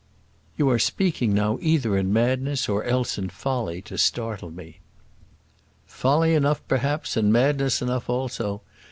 "You are speaking now either in madness, or else in folly, to startle me." "Folly enough, perhaps, and madness enough, also.